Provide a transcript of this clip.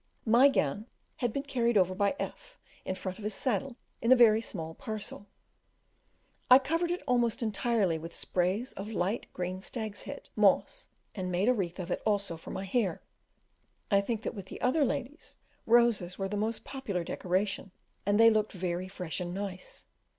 My gown had been carried over by F in front of his saddle in a very small parcel: I covered it almost entirely with sprays of the light green stag's head, moss, and made a wreath of it also for my hair. I think that with the other ladies roses were the most popular decoration, and they looked very fresh and nice.